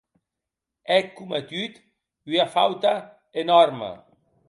È cometut ua fauta enòrma.